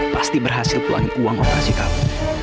pasti berhasil pulang uang operasi kamu